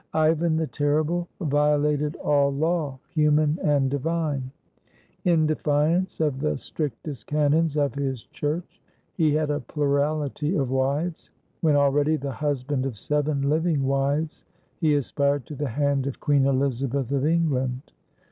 "Ivan the Terrible" violated all law, human and di 48 IVAN THE TERRIBLE vine. In defiance of the strictest canons of his church, he had a plurality of wives. When already the husband of seven living wives, he aspired to the hand of Queen Elizabeth of England.